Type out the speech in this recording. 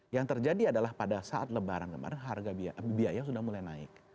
yang terjadi adalah pada saat lebaran kemarin harga biaya sudah mulai naik